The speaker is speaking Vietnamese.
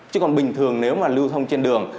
chứ còn bình thường nếu mà lưu thông trên đường